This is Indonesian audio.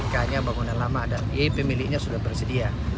sekarang bangunan lama dan pemiliknya sudah bersedia